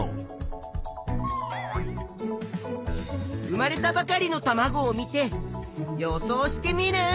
生まれたばかりのたまごを見て予想しテミルン。